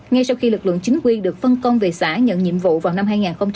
ngay sau khi lực lượng chính quy được phân công về xã nhận nhiệm vụ vào năm hai nghìn hai mươi